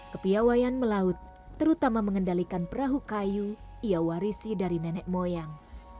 kepiawayan melaut terutama mengendalikan perahu kayu ia warisi dari nenek moyang